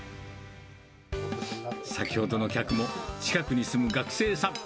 先ほどの客も、近くに住む学生さん。